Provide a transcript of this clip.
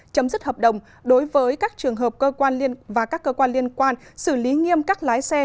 chấm dứt hợp đồng đối với các trường hợp cơ quan liên quan xử lý nghiêm các lái xe